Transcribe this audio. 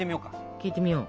聞いてみよう。